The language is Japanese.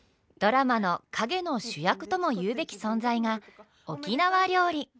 ドラマの陰の主役ともいうべき存在が沖縄料理。